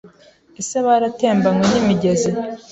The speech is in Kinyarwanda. Ese baratembanywe n'imigezi